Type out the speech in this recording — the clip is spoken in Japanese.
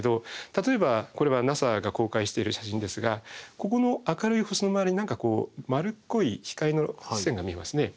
例えばこれはＮＡＳＡが公開している写真ですがここの明るい星の周りに何か丸っこい光の線が見えますね。